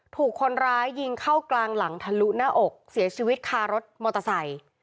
ถูกคนร้ายยิงเข้ากลางหลังทะลุหน้าอกเสียชีวิตคารถมอเตอร์ไซค์